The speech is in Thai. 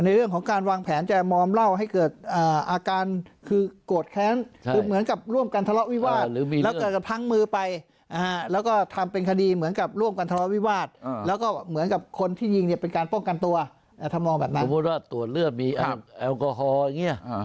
ในเรื่องของการวางแผนจะมอมเล่าให้เกิดอาการคือ